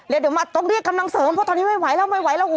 เดี๋ยวมาต้องเรียกกำลังเสริมเพราะตอนนี้ไม่ไหวแล้วไม่ไหวแล้ว